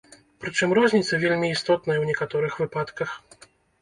Прычым розніца вельмі істотная ў некаторых выпадках.